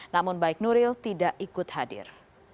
namun baik nuril tidak ikut hadir